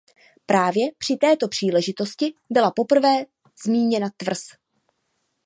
Právě při této příležitosti byla poprvé zmíněna tvrz.